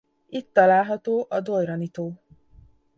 Itt található a Dojrani-tó.